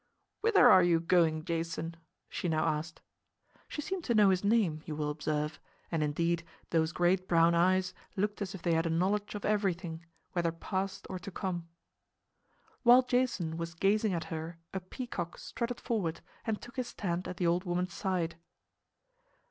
"Whither are you going, Jason?" she now asked. She seemed to know his name, you will observe; and, indeed, those great brown eyes looked as if they had a knowledge of everything, whether past or to come. While Jason was gazing at her a peacock strutted forward and took his stand at the old woman's side.